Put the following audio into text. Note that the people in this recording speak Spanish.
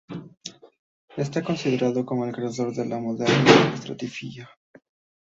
Está considerado como el creador de la moderna estratigrafía.